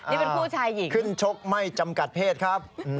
นี่เป็นผู้ชายหญิงขึ้นชกไม่จำกัดเพศครับ